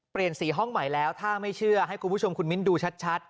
๔ห้องใหม่แล้วถ้าไม่เชื่อให้คุณผู้ชมคุณมิ้นดูชัด